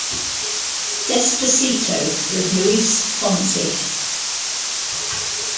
Despacito with Luis Fonsi.